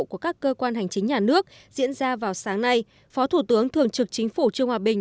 của các cơ quan hành chính nhà nước diễn ra vào sáng nay phó thủ tướng thường trực chính phủ trương hòa bình